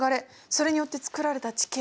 それによってつくられた地形。